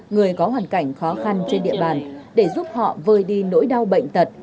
người có hoàn cảnh khó khăn trên địa bàn để giúp họ vơi đi nỗi đau bệnh tật